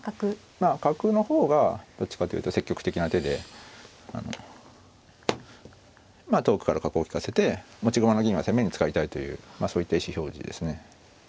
まあ角の方がどっちかというと積極的な手で遠くから角を利かせて持ち駒の銀は攻めに使いたいというそういった意思表示ですね。